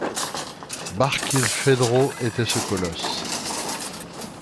Barkilphedro était ce colosse.